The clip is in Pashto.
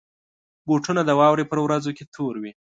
بوټونه د واورې پر ورځو کې تور وي.